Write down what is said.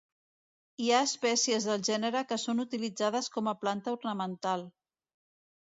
Hi ha espècies del gènere que són utilitzades com a planta ornamental.